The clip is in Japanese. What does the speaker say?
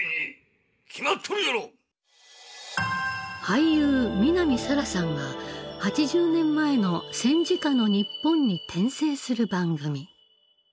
俳優南沙良さんが８０年前の戦時下の日本に転生する番組。